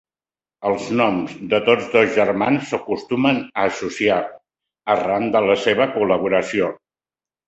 Els noms de tots dos germans s'acostumen a associar, arran de la seva col·laboració.